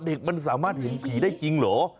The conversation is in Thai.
เด็กมันสามารถเห็นผีได้จริงเหรอ